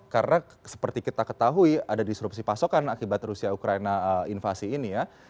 karena seperti kita ketahui ada disrupsi pasokan